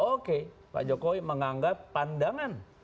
oke pak jokowi menganggap pandangan